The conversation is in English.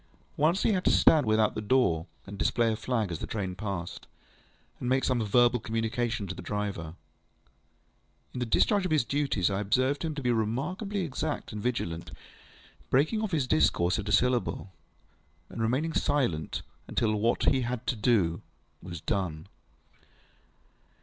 Once he had to stand without the door, and display a flag as a train passed, and make some verbal communication to the driver. In the discharge of his duties, I observed him to be remarkably exact and vigilant, breaking off his discourse at a syllable, and remaining silent until what he had to do was done.